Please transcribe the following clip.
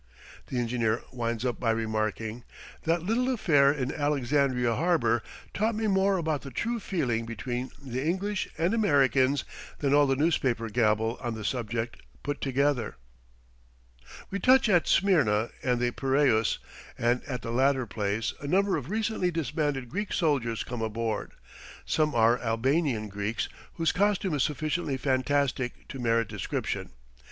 The engineer winds up by remarking: "That little affair in Alexandria harbor taught me more about the true feeling between the English and Americans than all the newspaper gabble on the subject put together." We touch at Smyrna and the Piraeus, and at the latter place a number of recently disbanded Greek soldiers come aboard; some are Albanian Greeks whose costume is sufficiently fantastic to merit description.